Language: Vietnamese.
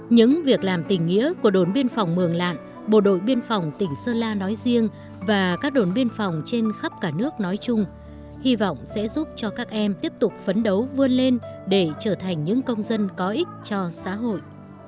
những việc làm tình nghĩa của đồn biên phòng mường lạn bộ đội biên phòng tỉnh sơn la nói riêng và các đồn biên phòng trên khắp cả nước nói chung hy vọng sẽ giúp cho các em tiếp tục phấn đấu vươn lên để trở thành những công dân có ích cho xã hội